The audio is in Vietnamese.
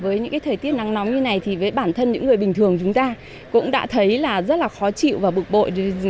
với những thời tiết nắng nóng như này thì với bản thân những người bình thường chúng ta cũng đã thấy là rất là khó chịu và bực bội